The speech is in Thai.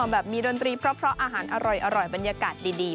แบบมีดนตรีเพราะอาหารอร่อยบรรยากาศดี